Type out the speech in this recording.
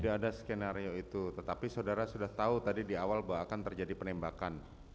tidak ada skenario itu tetapi saudara sudah tahu tadi di awal bahwa akan terjadi penembakan